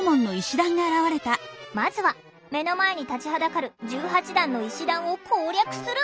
まずは目の前に立ちはだかる１８段の石段を攻略する。